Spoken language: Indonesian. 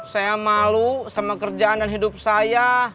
saya malu sama kerjaan dan hidup saya